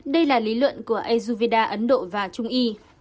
đây là lý luận của ezovida ấn độ và trung y